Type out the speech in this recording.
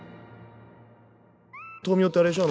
豆苗ってあれでしょ？